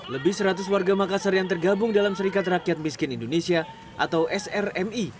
lebih seratus warga makassar yang tergabung dalam serikat rakyat miskin indonesia atau srmi